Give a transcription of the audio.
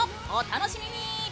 お楽しみに！